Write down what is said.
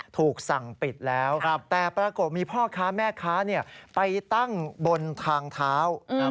ถูกสั่งปิดแล้วแต่ปรากฏมีพ่อค้าแม่ค้าไปตั้งบนทางเท้า